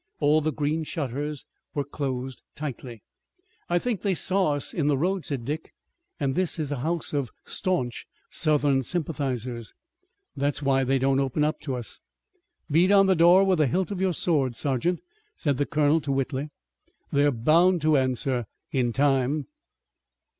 All the green shutters were closed tightly. "I think they saw us in the road," said Dick, "and this is a house of staunch Southern sympathizers. That is why they don't open to us." "Beat on the door with the hilt of your sword, sergeant," said the colonel to Whitley. "They're bound to answer in time."